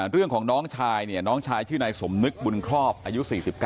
เรื่องของน้องชายเนี่ยน้องชายชื่อนายสมนึกบุญครอบอายุ๔๙